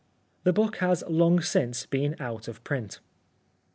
The book has long since been out of print.